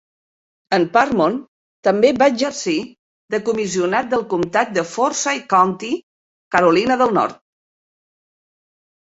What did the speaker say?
En Parmon també va exercir de comissionat del comtat de Forsyth County, Carolina del Nord.